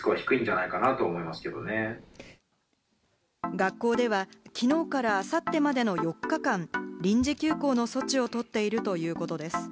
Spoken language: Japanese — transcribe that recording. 学校ではきのうからあさってまでの４日間、臨時休校の措置をとっているということです。